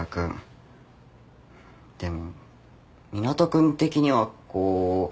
でも湊斗君的にはこう。